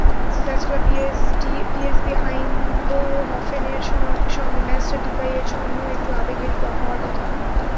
Dutch club PSV আইন্দহফেনের সঙ্গে ম্যাচটা ডিপাইয়ের জন্য একটু আবেগেরই হওয়ার কথা।